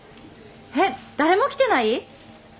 え⁉誰も来てない？